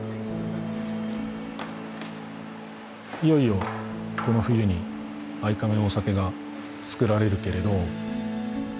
いよいよこの冬に愛亀のお酒が造られるけれど。